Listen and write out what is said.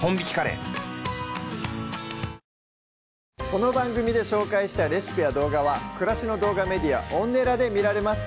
この番組で紹介したレシピや動画は暮らしの動画メディアＯｎｎｅｌａで見られます